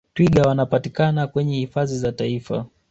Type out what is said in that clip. twiga Wanapatikana kwenye hifadhi za taifa